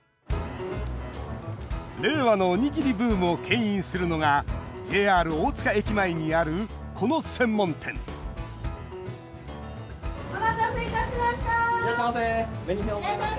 令和のおにぎりブームをけん引するのがＪＲ大塚駅前にあるこの専門店いらっしゃいませ。